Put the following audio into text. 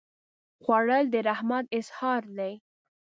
خوړل د رحمت اظهار دی